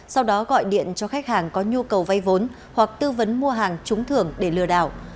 sau đó gọi điện cho khách hàng có nhu cầu vay vốn hoặc tư vấn mua hàng trúng thưởng để lừa đảo